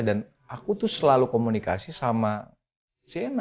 dan aku tuh selalu komunikasi sama sienna